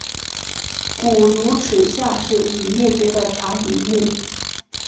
古乳齿象是已灭绝的长鼻目。